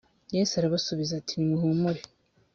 yesu arabasubiza ati nimuhure.